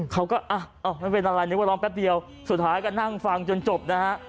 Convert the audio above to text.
เขาก็ไม่เป็นอะไรนึกว่าร้องแป๊บเดียวสุดท้ายก็นั่งฟังจนจบนะฮะ